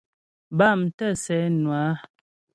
Bâm tə̂ sɛ́ nwə á.